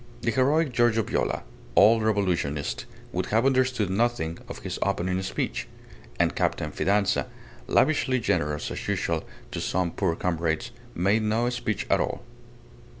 The heroic Giorgio Viola, old revolutionist, would have understood nothing of his opening speech; and Captain Fidanza, lavishly generous as usual to some poor comrades, made no speech at all.